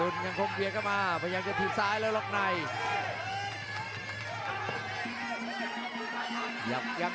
โหยกแรกถึงแม้ว่าจะได้มาสองนับครับ